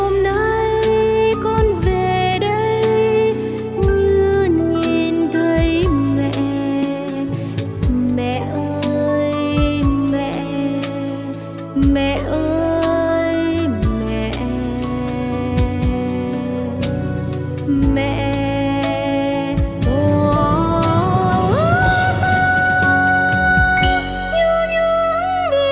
mẹ ơi mẹ ơi mẹ ơi mẹ ơi mẹ